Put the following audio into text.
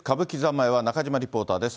前は中島リポーターです。